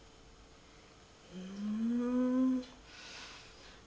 ふん。